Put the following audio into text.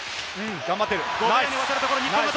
頑張ってる。